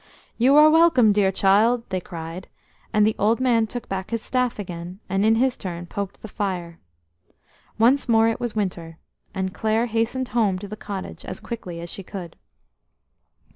"You are welcome, dear child," they cried; and the old man took back his staff again, and in his turn poked the fire. Once more it was winter, and Clare hastened home to the cottage as quickly as she could.